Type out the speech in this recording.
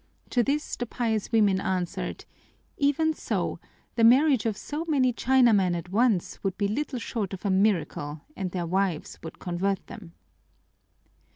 To this the pious women answered, "Even so, the marriage of so many Chinamen at once would be little short of a miracle and their wives would convert them."